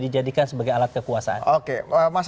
dijadikan sebagai alat kekuasaan oke mas